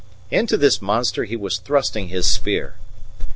Into this monster he was thrusting his spear.